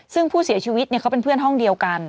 ซึ่งผู้เสียชีวิตเขาเป็นเพื่อนห้องเดียวกัน